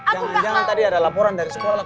jangan jangan tadi ada laporan dari sekolah